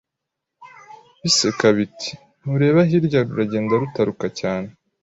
biseka biti ntureba hirya ruragenda rutaruka cyane